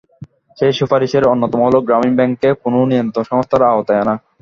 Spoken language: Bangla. সেই সুপারিশের অন্যতম হলো গ্রামীণ ব্যাংককে কোনো নিয়ন্ত্রক সংস্থার আওতায় আনা।